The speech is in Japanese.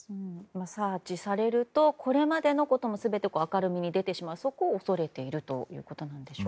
サーチされるとこれまでのことも全て明るみに出てしまうことを恐れているんでしょうか。